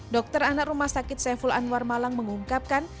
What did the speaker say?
dokter anak rumah sakit saiful anwar malang mengungkapkan